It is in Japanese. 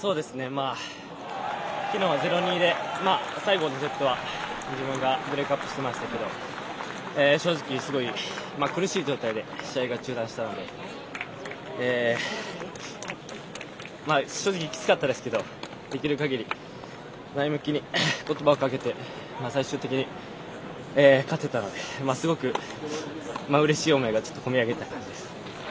昨日は０−２で最後のセットは自分がブレークアップしてましたけど正直すごい苦しい状態で試合が中断したので正直きつかったですけどできるかぎり前向きに言葉をかけて最終的に勝てたのですごくうれしい思いが込み上げた感じです。